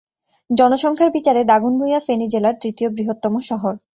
জনসংখ্যার বিচারে দাগনভূঞা ফেনী জেলার তৃতীয় বৃহত্তম শহর।